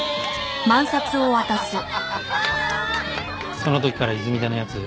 その時から泉田の奴